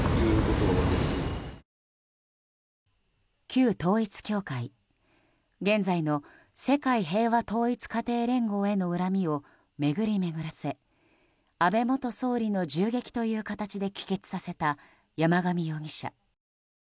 旧統一教会現在の世界平和統一家庭連合への恨みを巡り巡らせ安倍元総理の銃撃という形で帰結させた山上容疑者。